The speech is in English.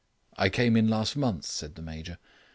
"I came in last month," said the Major.